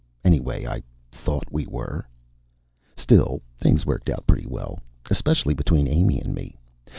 Anyway, I thought we were. Still, things worked out pretty well especially between Amy and me.